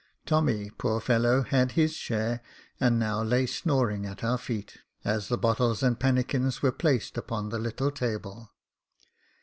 Tommy, poor fellow, had his share, and now lay snoring at our feet, as the bottles and pannikins were placed upon the little table.